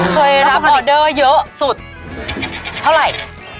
เคยรับออเดอร์เยอะสุดเท่าไหร่